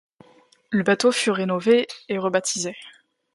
Le bateau fut rénové et rebaptisé.